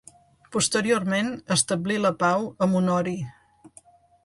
Posteriorment establí la pau amb Honori.